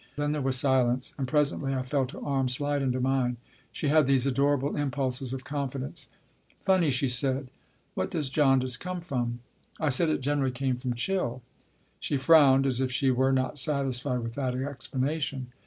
Then there was silence, and presently I felt her arm slide into mine (she had these adorable impulses of confidence). " Furny," she said, " what does jaundice come from ?" I said it generally came from chill. She frowned, as if she were not satisfied with that explanation.